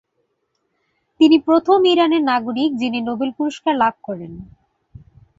তিনি প্রথম ইরানের নাগরিক যিনি নোবেল পুরস্কার লাভ করেন।